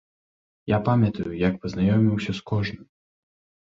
Я памятаю, як пазнаёміўся з кожным!